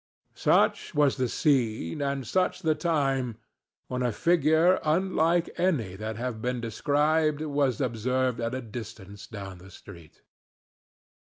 Such was the scene, and such the time, when a figure unlike any that have been described was observed at a distance down the street.